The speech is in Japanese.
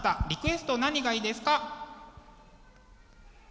リクエスト何がいいですか？